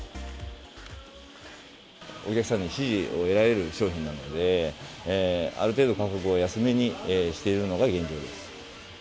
お客さんの支持を得られる商品なので、ある程度、価格を安めにしているのが現状です。